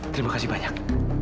terima kasih banyak